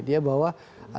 jadi satu kesatuan maksudnya